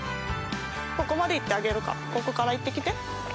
ここまで行ってあげるからここから行って来て。